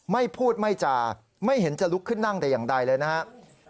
ไม่พูดไม่จาไม่เห็นจะลุกขึ้นนั่งแต่อย่างใดเลยนะครับ